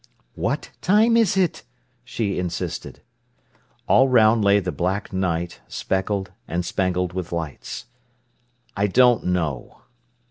"What time is it?" she insisted. All round lay the black night, speckled and spangled with lights. "I don't know."